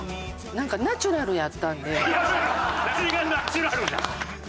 何がナチュラルだ！